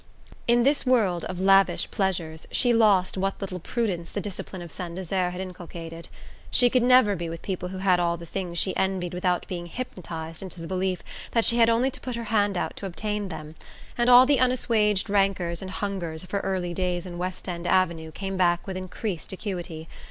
In this world of lavish pleasures she lost what little prudence the discipline of Saint Desert had inculcated. She could never be with people who had all the things she envied without being hypnotized into the belief that she had only to put her hand out to obtain them, and all the unassuaged rancours and hungers of her early days in West End Avenue came back with increased acuity.